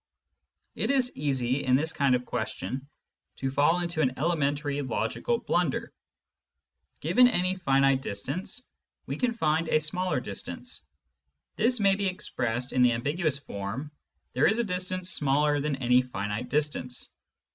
It is easy, in this kind of question, to fall into an elementary logical blunder. Given any finite distance, we can find a smaller distance ; this may be expressed in the ambiguous form " there is a distance smaller than any finite distance."